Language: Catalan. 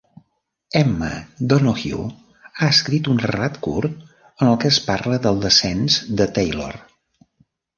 Emma Donoghue ha escrit un relat curt en el que es parla del descens de Taylor.